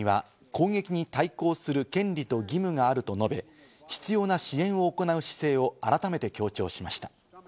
バイデン大統領はイスラエルには攻撃に対抗する権利と義務があると述べ、必要な支援を行う姿勢を改めて強調しました。